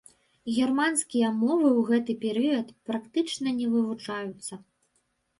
Германскія мовы ў гэты перыяд практычна не вывучаюцца.